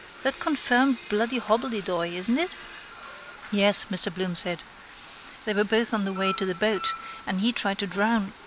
That confirmed bloody hobbledehoy is it? —Yes, Mr Bloom said. They were both on the way to the boat and he tried to drown.....